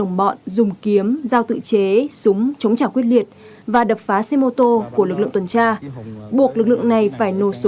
nguy hiểm cháy nổ